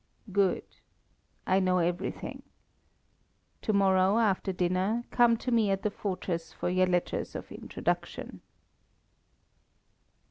"Good. I know everything. To morrow, after dinner, come to me at the fortress for your letters of introduction."